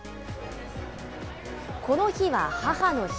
この日は母の日。